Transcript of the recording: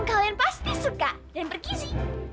kalian pasti suka dan bergizi